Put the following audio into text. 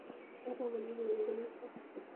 এটা আমাদের দুজনের জন্যই অস্বস্তিকর।